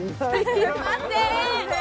すいません